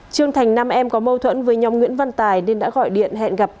trương thành nam em có mâu thuẫn với nhóm nguyễn văn tài nên đã gọi điện hẹn gặp lại